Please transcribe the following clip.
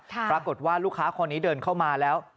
ปรากฏว่าลูกค้าคนนี้เดินเข้ามาแล้ว